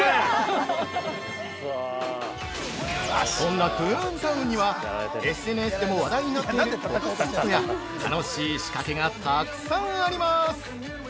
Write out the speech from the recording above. ◆そんなトゥーンタウンにはＳＮＳでも話題になっているフォトスポットや楽しい仕掛けがたくさんあります。